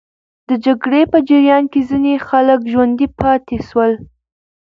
د جګړې په جریان کې ځینې خلک ژوندي پاتې سول.